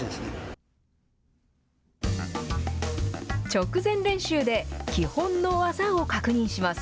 直前練習で、基本の技を確認します。